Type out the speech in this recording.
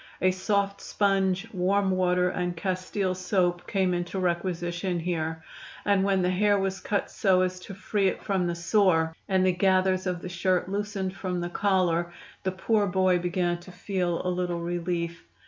A soft sponge, warm water and castile soap came into requisition here, and when the hair was cut so as to free it from the sore, and the gathers of the shirt loosened from the collar, the poor boy began to feel a little relief.